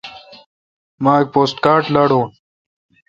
مہ اک پوسٹ کارڈ لاڈون۔